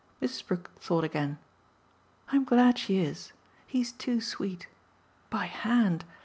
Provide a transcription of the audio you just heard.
Mrs. Brook thought again. "I'm glad she is. He's too sweet. By hand!